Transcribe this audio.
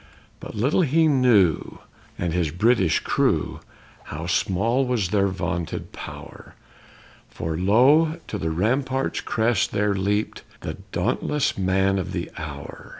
But little he knew, and his British crew, how small was their vaunted power, For lo, to the rampart's crest there leaped the dauntless man of the hour!